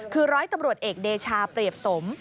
คือร้อยตำรวจเอกเดชาเปรียบสม